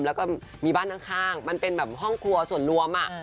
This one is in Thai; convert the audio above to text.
แล้วก็มีบ้านข้างมันเป็นแบบห้องครัวส่วนรวม